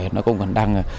nó cũng còn đang